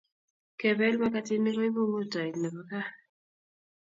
Kepel makatinik koipu ngutoet nebo kaa